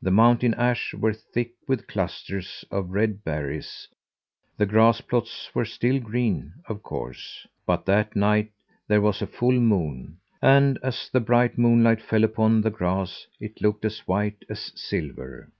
The mountain ash were thick with clusters of red berries, the grass plots were still green, of course, but that night there was a full moon, and as the bright moonlight fell upon the grass it looked as white as silver.